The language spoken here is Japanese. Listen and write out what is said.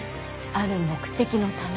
ある目的のため。